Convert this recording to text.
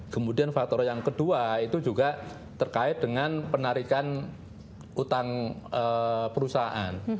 kemudian faktor yang kedua itu juga terkait dengan penarikan utang perusahaan